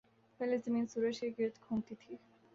پہلے زمین سورج کے گرد گھومتی تھی۔